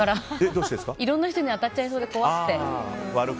いろんな人に当たっちゃいそうで怖くて。